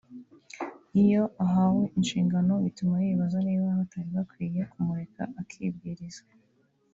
iyo ahawe inshingano bituma yibaza niba batari bakwiye kumureka akibwiriza